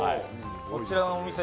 こちらのお店